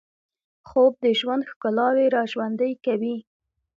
خوب د ژوند ښکلاوې راژوندۍ کوي